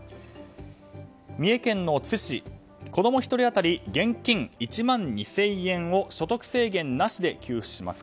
三重県の津市、子供１人当たり現金１万２０００円を所得制限なしで給付します。